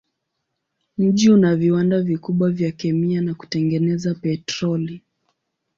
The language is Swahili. Mji una viwanda vikubwa vya kemia na kutengeneza petroli.